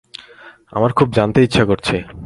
আমার খুব জানতে ইচ্ছা করছে।